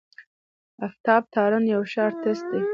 آفتاب تارڼ يو ښه آرټسټ دی.